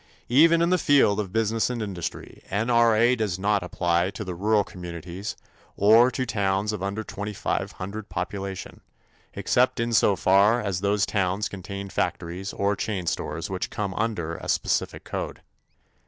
Even in the field of business and industry, N.R.A. does not apply to the rural communities or to towns of under twenty five hundred population, except in so far as those towns contain factories or chain stores which come under a specific code.